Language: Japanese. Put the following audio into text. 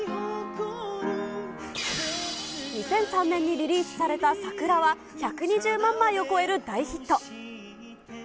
２００３年にリリースされたさくらは、１２０万枚を超える大ヒット。